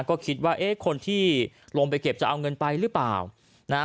ก็คิดว่าเอ๊ะคนที่ลงไปเก็บจะเอาเงินไปหรือเปล่านะฮะ